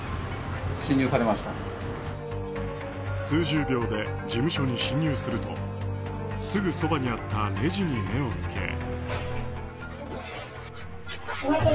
数十秒で事務所に侵入するとすぐそばにあったレジに目をつけ。